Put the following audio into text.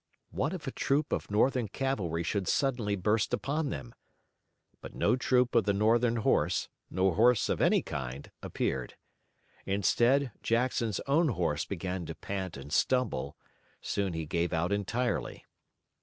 What if a troop of Northern cavalry should suddenly burst upon them. But no troop of the Northern horse, nor horse of any kind, appeared. Instead, Jackson's own horse began to pant and stumble. Soon he gave out entirely.